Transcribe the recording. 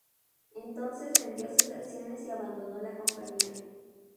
Entonces vendió sus acciones y abandonó la compañía.